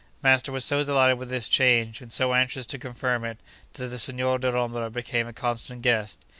Master was so delighted with this change, and so anxious to confirm it, that the Signor Dellombra became a constant guest.